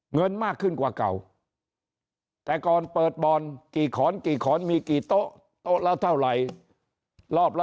เงินมากขึ้นกว่าเก่าแต่ก่อนเปิดบ่อนกี่ขอนกี่ขอนมีกี่โต๊ะโต๊ะละเท่าไหร่รอบละ